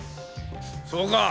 そうか。